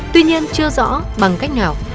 tuy nhiên chưa rõ bằng cách nào